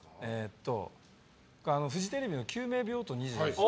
フジテレビの「救命病棟２４時」。